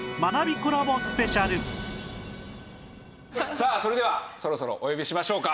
さあそれではそろそろお呼びしましょうか。